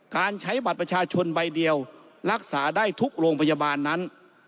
การใช้บัตรประชาชนใบเดียวรักษาได้ทุกโรงพยาบาลนั้น